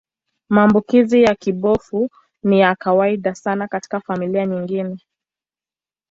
Maambukizi ya kibofu ni ya kawaida sana katika familia nyingine.